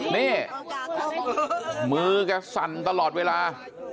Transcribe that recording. นี่มือแกสั่นตลอดเวลา